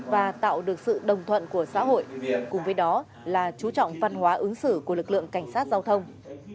và tạo được sự đồng thuận của xã hội cùng với đó là chú trọng văn hóa ứng xử của lực lượng cảnh sát giao thông